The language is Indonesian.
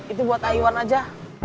itu buat a iwan aja